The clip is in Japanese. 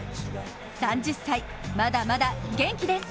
３０歳、まだまだ元気です！